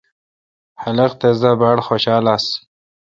خلق تس دا باڑ خوشال آس۔